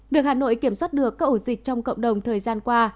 việc hà nội kiểm soát được các ổ dịch trong cộng đồng thời gian qua